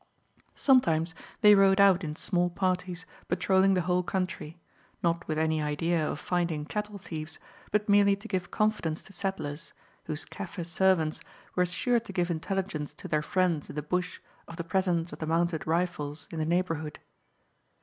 Sometimes they rode out in small parties patrolling the whole country, not with any idea of finding cattle thieves, but merely to give confidence to settlers, whose Kaffir servants were sure to give intelligence to their friends in the bush of the presence of the Mounted Rifles in the neighbourhood.